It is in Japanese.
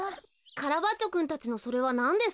カラバッチョくんたちのそれはなんですか？